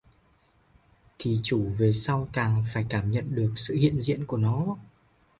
Thì chủ về sau càng phải cảm nhận được sự hiện diện của nó